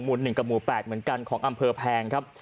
๑กับหมู่๘เหมือนกันของอำเภอแพงครับ